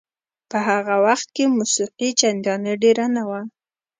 په هغه وخت کې موسیقي چندانې ډېره نه وه.